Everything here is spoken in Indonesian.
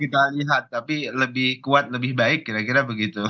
kita lihat tapi lebih kuat lebih baik kira kira begitu